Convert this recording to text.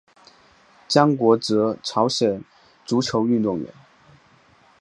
姜国哲朝鲜足球运动员。